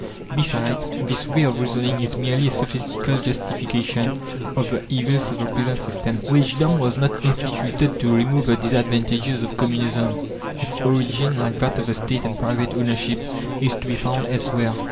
Besides, this way of reasoning is merely a sophistical justification of the evils of the present system. Wagedom was not instituted to remove the disadvantages of Communism; its origin, like that of the State and private ownership, is to be found elsewhere.